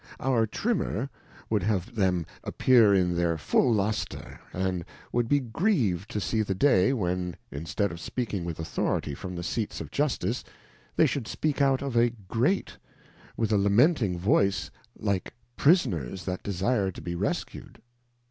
Ouxj Trimm er would hav e^them appear in their full lustre, and would be grieved to see the day, when, instead of speaking with Authority from the Seats of Justice, they should speak out of a Grate, with a lamenting voice like Prisoners that desire to be rescued.